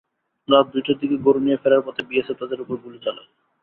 রাত দুইটার দিকে গরু নিয়ে ফেরার পথে বিএসএফ তাঁদের ওপর গুলি চালায়।